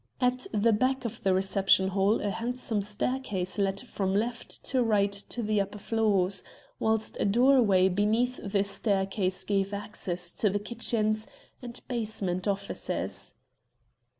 At the back of the reception hall a handsome staircase led from left to right to the upper floors, whilst a doorway beneath the staircase gave access to the kitchens and basement offices.